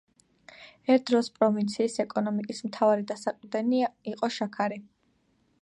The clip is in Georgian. ერთ დროს პროვინციის ეკონომიკის მთავარი დასაყრდენია იყო შაქარი.